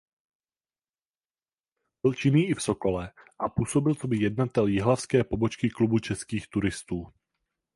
Byl činný i v Sokole a působil coby jednatel jihlavské pobočky Klubu českých turistů.